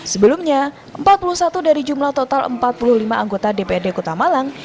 sebelumnya empat puluh satu dari jumlah total empat puluh lima anggota dprd kota malang